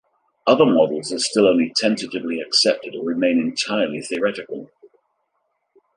Other models are still only tentatively accepted or remain entirely theoretical.